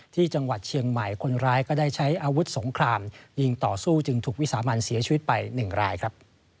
ที่จังหวัดเชียงใหม่คนร้ายก็ได้ใช้อาวุธสงครามยิงต่อสู้จึงถูกวิสามันเสียชีวิตไป๑รายครับ